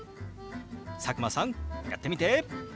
佐久間さんやってみて！